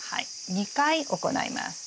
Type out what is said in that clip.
２回行います。